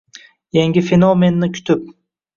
Yangi fenomenni kutib